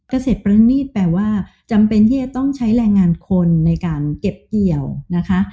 เกษตรประณีตแปลว่าจำเป็นที่จะต้องใช้แรงงานคนในการเก็บเกี่ยวนะคะ